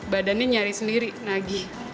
badannya nyari sendiri nagih